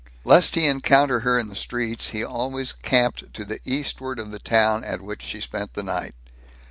Lest he encounter her in the streets, he always camped to the eastward of the town at which she spent the night.